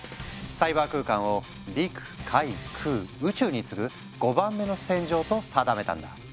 サイバー空間を陸海空宇宙に次ぐ５番目の戦場と定めたんだ。